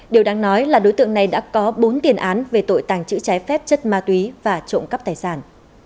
điều đáng nói là đối tượng này đã có bốn tiền án về tội tàng trữ trái phép chất ma túy và trộm cắp tài sản